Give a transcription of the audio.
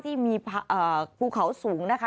ที่มีภูเขาสูงนะคะ